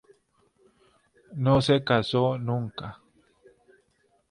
No se casó nunca.